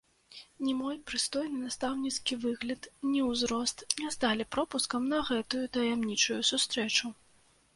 Ні мой прыстойны настаўніцкі выгляд, ні ўзрост не сталі пропускам на гэтую таямнічую сустрэчу.